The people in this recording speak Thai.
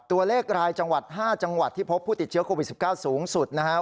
ตัวเลขรายจังหวัด๕จังหวัดที่พบผู้ติดเชื้อโควิด๑๙สูงสุดนะครับ